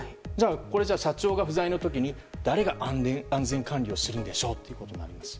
それじゃあ社長が不在の時に誰が安全管理をするんでしょうということになります。